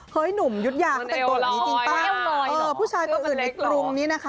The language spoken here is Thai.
เฮ้ยหนุ่มยุทยาเขาแต่งตัวนี้จริงเปล่าเออผู้ชายประอุณในกรุงนี้นะคะ